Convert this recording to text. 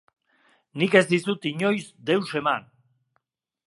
Nik ez dizut inoiz deus eman.